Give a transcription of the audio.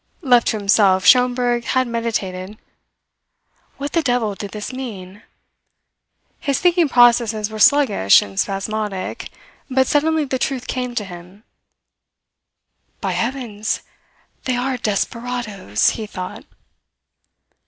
Left to himself, Schomberg had meditated. What the devil did this mean? His thinking processes were sluggish and spasmodic; but suddenly the truth came to him. "By heavens, they are desperadoes!" he thought.